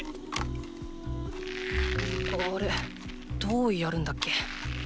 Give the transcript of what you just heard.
どうやるんだっけ。